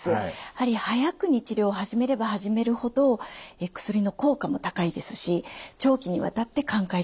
やはり早くに治療を始めれば始めるほど薬の効果も高いですし長期にわたって寛解状態を保つことができます。